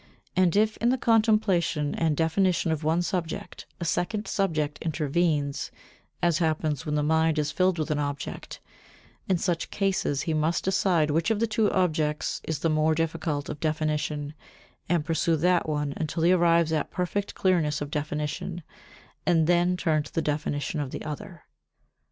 And if in the contemplation and definition of one subject a second subject intervenes, as happens when the mind is filled with an object, in such cases he must decide which of the two objects is the more difficult of definition, and pursue that one until he arrives at perfect clearness of definition, and then turn to the definition of the other.